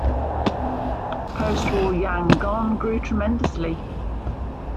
Post-war Yangon grew tremendously.